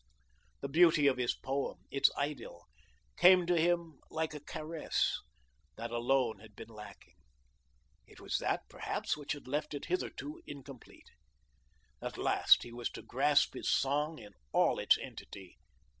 The beauty of his poem, its idyl, came to him like a caress; that alone had been lacking. It was that, perhaps, which had left it hitherto incomplete. At last he was to grasp his song in all its entity.